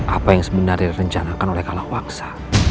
apa yang sebenarnya direncanakan oleh kalawaksa